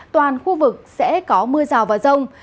toàn khu vực sẽ có mưa rào và rông